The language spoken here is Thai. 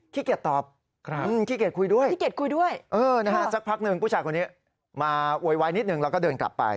ขี้เกียจตอบขี้เกียจคุยด้วยสักพักนึงผู้ชายคนนี้มาโวยวายนิดนึงแล้วก็เดินกลับไป